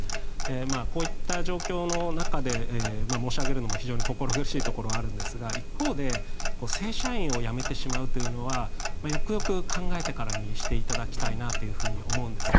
こういった状況の中で申し上げるのも非常に心苦しいところがあるんですが一方で正社員を辞めてしまうというのはよくよく考えてからにしていただきたいなと思うんですね。